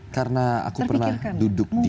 karena aku pernah duduk di